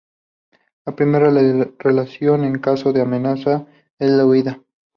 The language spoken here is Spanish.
La primera reacción en caso de amenaza es la huida.